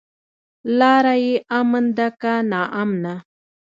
لاره يې امن ده که ناامنه؟